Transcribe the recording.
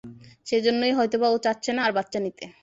সেজন্যই হয়তোবা ও চাচ্ছে না আর বাচ্চা নিতে।